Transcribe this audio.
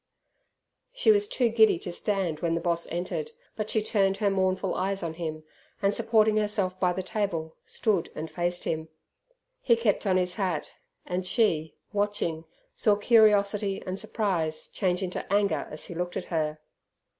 She was too giddy to stand when the boss entered, but she turned her mournful eyes on him, and, supporting herself by the table, stood and faced him. He kept on his hat, and she, watching, saw curiosity and surprise change into anger as he looked at her.